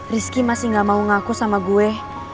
rizky masih gak mau ngaku sama gue